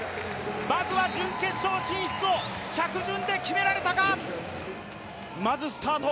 まずは準決勝進出を着順で決められたがまずスタート